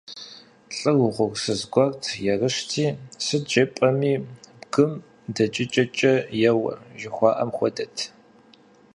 ЛӀыр угъурсыз гуэрт, ерыщти, сыт жепӀэми, бгым джэдыкӀэкӀэ еуэ, жухуаӏэм хуэдэт.